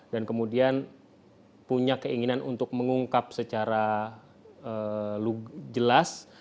dan kemudian punya keinginan untuk mengungkap secara jelas